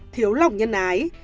thiếu lòng nhân ái